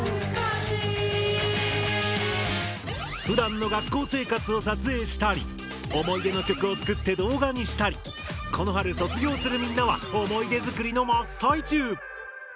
ふだんの学校生活を撮影したり思い出の曲を作って動画にしたりこの春卒業するみんなは思い出作りの真っ最中！